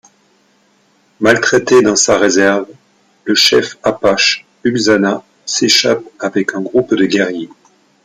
Maltraité dans sa réserve, le chef apache Ulzana s'échappe avec un groupe de guerriers.